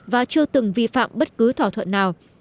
và chưa từng vi phạm bất cứ thỏa thuận nào